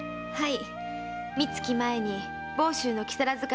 はい。